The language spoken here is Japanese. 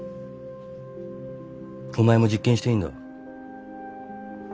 お前も実験していいんだ。